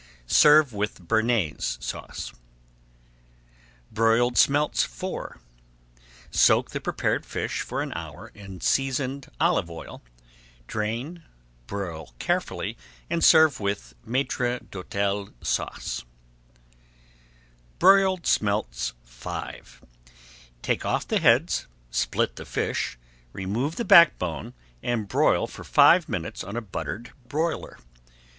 Serve with Bearnaise Sauce. BROILED SMELTS IV Soak the prepared fish for an hour in seasoned olive oil, drain, broil carefully, and serve with Maître d'Hôtel Sauce. [Page 368] BROILED SMELTS V Take off the heads, split the fish, remove the back bone, and broil for five minutes on a buttered broiler.